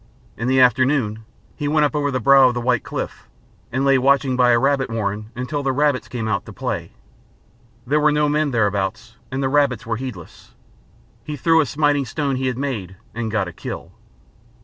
In the afternoon he went up over the brow of the white cliff, and lay watching by a rabbit warren until the rabbits came out to play. There were no men thereabouts, and the rabbits were heedless. He threw a smiting stone he had made and got a kill.